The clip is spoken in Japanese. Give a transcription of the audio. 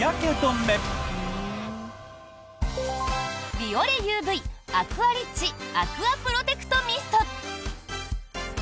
ビオレＵＶアクアリッチアクアプロテクトミスト。